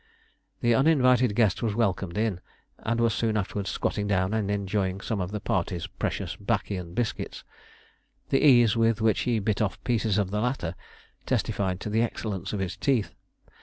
The uninvited guest was welcomed in, and was soon afterwards squatting down and enjoying some of the party's precious 'baccy and biscuits. The ease with which he bit off pieces of the latter testified to the excellence of his teeth.